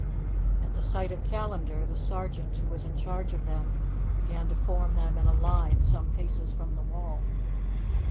At the sight of Callandar the sergeant who was in charge of them began to form them in a line some paces from the wall.